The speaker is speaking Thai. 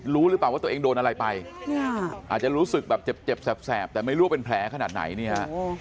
รู้หรือเปล่าว่าตัวเองโดนอะไรไปอาจจะรู้สึกแบบเจ็บแสบแต่ไม่รู้ว่าเป็นแผลขนาดไหนเนี่ย